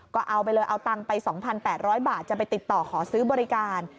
ก็เอาไปเลยเอาตังค์ไป๒๘๐๐บาทจะไปติดต่อขอซื้อบริการ